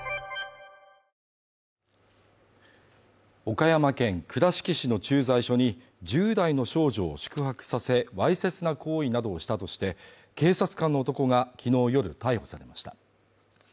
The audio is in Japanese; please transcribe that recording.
岡山県倉敷市の駐在所に１０代の少女を宿泊させ、わいせつな行為などをしたとして、警察官の男が、昨日夜、逮捕されました。